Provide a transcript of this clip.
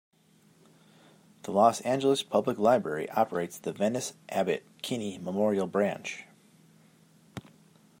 The Los Angeles Public Library operates the Venice-Abbot Kinney Memorial Branch.